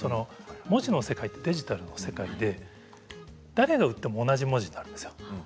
文字の世界はデジタルの世界で誰が打っても同じ文字なんです。